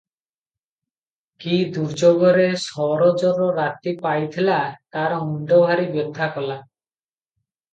କି ଦୁର୍ଯୋଗରେ ସରୋଜର ରାତି ପାଇଥିଲା ତାର ମୁଣ୍ଡ ଭାରି ବ୍ୟଥା କଲା ।